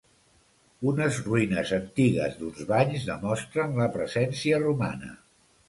Unes ruïnes antigues d'uns banys, demostren la presència romana.